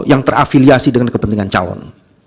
yang terafiliasi dengan kepentingan calon